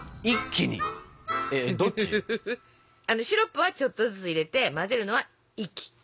シロップはちょっとずつ入れて混ぜるのはイッキ。